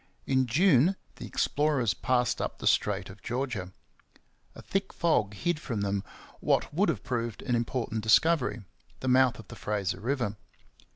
In June the explorers passed up the Strait of Georgia. A thick fog hid from them what would have proved an important discovery the mouth of the Fraser river.